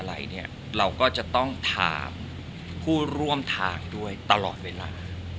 อะไรเนี่ยเราก็จะต้องถามผู้ร่วมทางด้วยตลอดเวลา